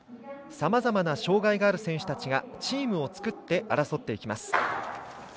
さまざまな障がいがある選手たちがチームを作って争っていきます。